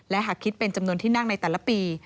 หากคิดเป็นจำนวนที่นั่งในแต่ละปี